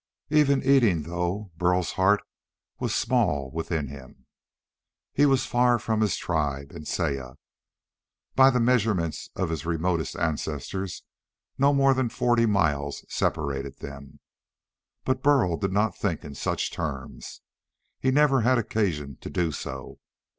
Even eating, though, Burl's heart was small within him. He was far from his tribe and Saya. By the measurements of his remotest ancestors, no more than forty miles separated them. But Burl did not think in such terms. He'd never had occasion to do so.